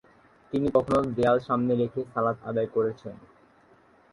তিনি কখনো দেয়াল সামনে রেখে সালাত আদায় করেছেন।